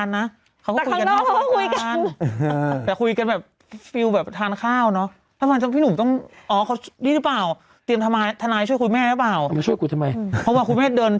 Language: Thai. หนูว่าพี่หนุ่มโทรหาหนูเมื่อวานตอนประมาณสัก๖โมง